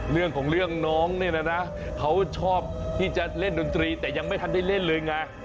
เรื่องของเรื่องน้องเนี่ยนะเขาชอบที่จะเล่นดนตรีแต่ยังไม่ทันได้เล่นเลยไง